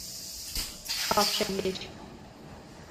Шкаф шеҥгеч.